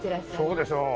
そうでしょう。